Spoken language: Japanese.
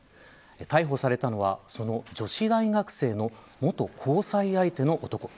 逮捕されたのはその女子大学生の元交際相手の男。